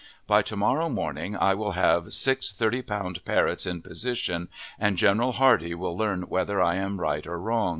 By to morrow morning I will have six thirty pound Parrotts in position, and General Hardee will learn whether I am right or not.